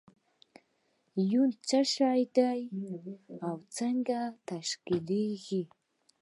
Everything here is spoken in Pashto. ایون څه شی دی او څنګه تشکیلیږي؟